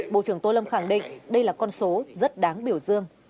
bộ trưởng tô lâm khẳng định đây là con số rất đáng biểu dương